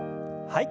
はい。